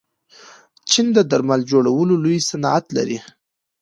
چین د درمل جوړولو لوی صنعت لري.